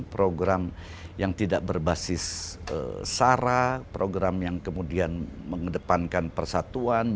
program yang tidak berbasis sara program yang kemudian mengedepankan persatuan